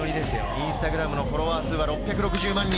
インスタグラムのフォロワー数は６６０万人。